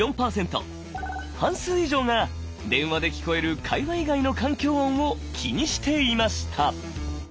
半数以上が電話で聞こえる会話以外の環境音を気にしていました。